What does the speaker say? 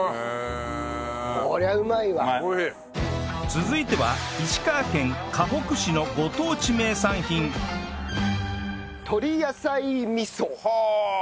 続いては石川県かほく市のご当地名産品とり野菜みそ。はあ！